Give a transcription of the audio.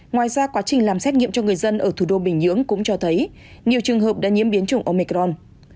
ngoài ra quá trình làm xét nghiệm cho người dân ở thủ đô bình nhưỡng cũng cho thấy nhiều trường hợp đã nhiễm biến chủng omecron